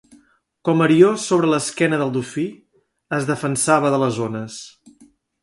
Com Arió sobre l’esquena del dofí, es defensava de les ones.